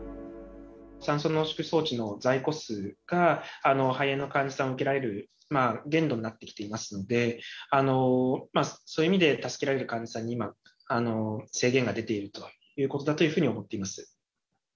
酸素濃縮装置の在庫数が、肺炎の患者さんを受けられる限度になってきていますので、そういう意味で助けられる患者さんに今、制限が出ているということだというふうに思っています。